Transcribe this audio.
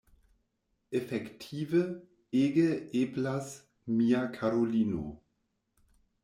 Efektive, ege eblas, mia karulino.